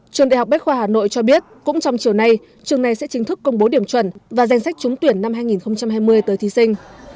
trường đại học bách khoa hà nội cho biết cũng trong chiều nay trường này sẽ chính thức công bố điểm chuẩn và danh sách trúng tuyển năm hai nghìn hai mươi tới thí sinh